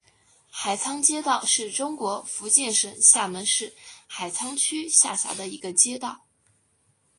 海沧街道是中国福建省厦门市海沧区下辖的一个街道。